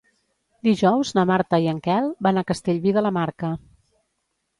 Dijous na Marta i en Quel van a Castellví de la Marca.